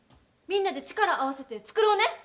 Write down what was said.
みんなで力合わせて作ろうね！